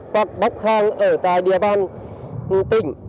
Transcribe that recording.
hoặc bóc hang ở tại địa bàn tỉnh